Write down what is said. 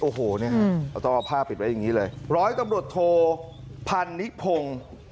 โอ้โหเนี่ยเราต้องเอาผ้าปิดไว้อย่างนี้เลยร้อยตำรวจโทพันนิพงศ์